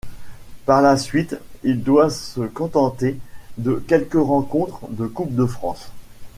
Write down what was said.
Par la suite, il doit se contenter de quelques rencontres de Coupe de France.